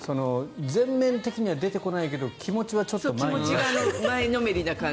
全面的には出てこないけど気持ちはちょっと前のめりという。